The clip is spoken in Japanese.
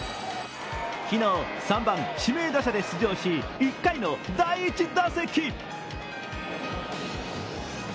昨日、３番・指名打者で出場し１回の第１打席。